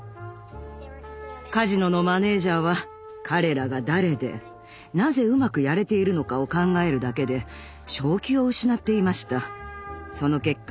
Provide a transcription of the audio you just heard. カジノのマネージャーは彼らが誰でなぜうまくやれているのかを考えるだけで正気を失っていました。